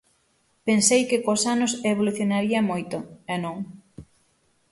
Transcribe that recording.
Pensei que cos anos evolucionaría moito, e non.